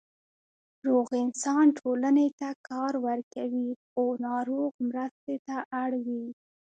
روغ انسان ټولنې ته کار ورکوي، خو ناروغ مرستې ته اړ وي.